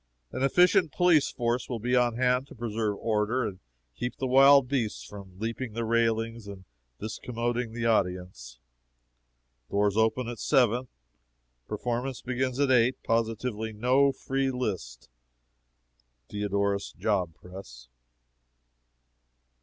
An efficient police force will be on hand to preserve order and keep the wild beasts from leaping the railings and discommoding the audience. Doors open at 7; performance begins at 8. POSITIVELY NO FREE LIST. Diodorus Job Press.